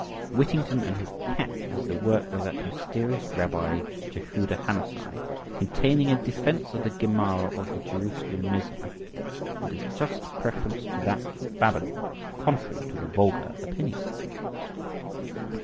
"Whittington and his Cat" is the work of that mysterious Rabbi, Jehuda Hannasi, containing a defence of the Gemara of the Jerusalem Misna, and its just preference to that of Babylon, contrary to the vulgar opinion.